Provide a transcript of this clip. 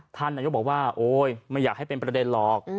ท่านนายกบอกว่าโอ๊ยไม่อยากให้เป็นประเด็นหรอก